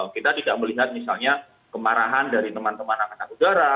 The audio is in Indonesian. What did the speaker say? kita tidak melihat misalnya kemarahan dari teman teman angkatan udara